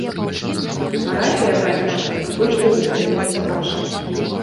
Парафія, бацюшка, пакуль што застаецца вашай.